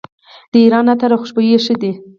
د ایران عطر او خوشبویي ښه ده.